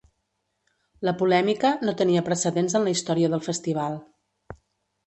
La polèmica no tenia precedents en la història del festival.